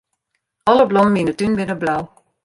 Alle blommen yn 'e tún binne blau.